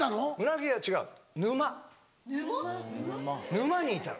・沼にいたの。